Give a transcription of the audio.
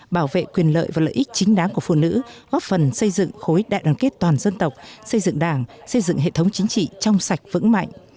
bảo vệ quyền lợi và lợi ích chính đáng của phụ nữ góp phần xây dựng khối đại đoàn kết toàn dân tộc xây dựng đảng xây dựng hệ thống chính trị trong sạch vững mạnh